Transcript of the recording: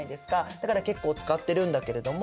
だから結構使ってるんだけれども。